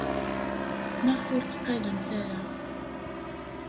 Maɣef ur tteqqalent ara?